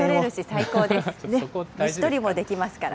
虫取りもできますから。